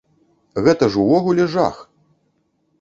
Гэта ж ўвогуле жах!